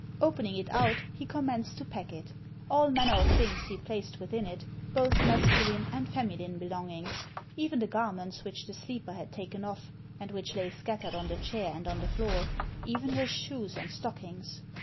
Opening it out, he commenced to pack it All manner of things he placed within it, both masculine and feminine belongings, even the garments which the sleeper had taken off, and which lay scattered on the chair and on the floor, even her shoes and stockings!